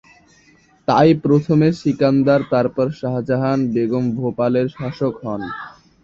তাই প্রথমে সিকান্দার তারপর শাহজাহান বেগম ভোপালের শাসক হন।